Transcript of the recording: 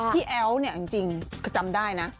แอ๋วเนี่ยจริงจำได้นะ